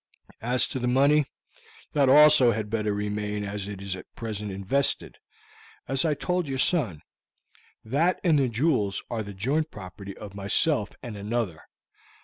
As to the money, that also had better remain as it is at present invested. As I told your son that and the jewels are the joint property of myself and another.